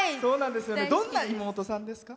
どんな妹さんですか？